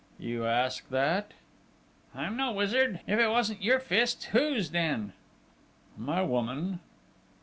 "You ask that?" "I'm no wizard! If it wasn't your fist, whose then?" "My woman...."